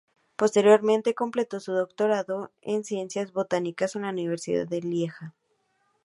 Posteriormente completó su doctorado en Ciencias Botánicas en la Universidad de Lieja.